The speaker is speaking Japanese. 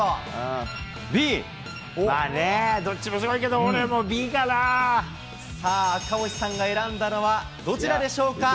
まあね、どっちもすごいけど、さあ、赤星さんが選んだのはどちらでしょうか。